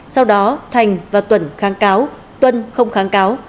sau đó thành và tuần kháng cáo tuần không kháng cáo